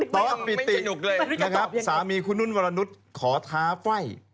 ตอนปิติหยกเลยนะครับสามีคุณนุ่นวรนุษย์ขอท้าไฟ่